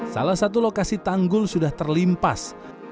salah satu lokasi tanggul sudah terlimpas